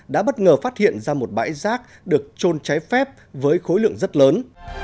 đã bất ngờ phát hiện ra một bãi rác được trôn cháy phép với khối lượng rác lớn